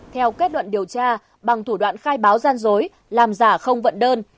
theo kết luận điều tra bằng thủ đoạn khai báo gian dối làm giả không vận đơn